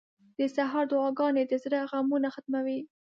• د سهار دعاګانې د زړه غمونه ختموي.